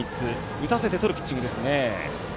打たせてとるピッチングですね。